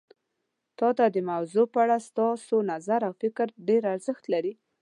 ما ته د دې موضوع په اړه ستاسو نظر او فکر ډیر ارزښت لري